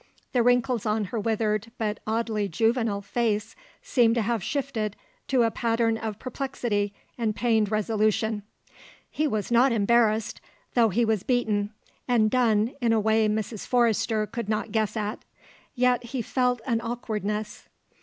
The wrinkles on her withered, but oddly juvenile, face seemed to have shifted to a pattern of perplexity and pained resolution. He was not embarrassed, though he was beaten and done in a way Mrs. Forrester could not guess at; yet he felt an awkwardness.